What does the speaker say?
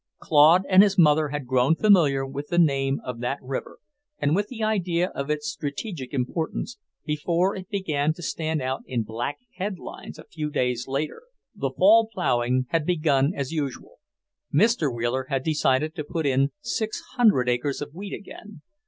Claude and his mother had grown familiar with the name of that river, and with the idea of its strategic importance, before it began to stand out in black headlines a few days later. The fall ploughing had begun as usual. Mr. Wheeler had decided to put in six hundred acres of wheat again.